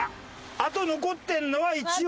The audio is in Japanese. あと残ってるのは一応。